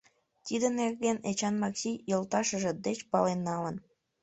Тиде нерген Эчан Макси йолташыже деч пален налын.